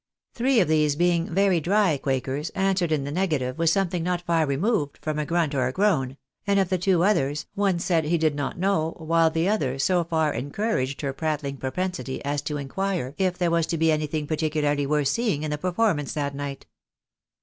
Three of these being very " dry " quakers, answered in the negative with something not far removed from a grunt or a groan ; and of the two others, one said he did not know, while the other so far encouraged her prattling propensity as to inquire if there was to be anything particularly worth seeing in the performance that night.